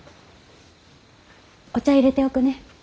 お茶いれておくね。